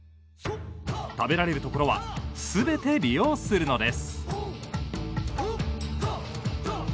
食べられるところは全て利用するのです。